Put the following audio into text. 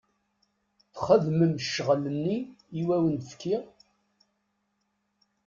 Txedmem ccɣel-nni i awen-fkiɣ?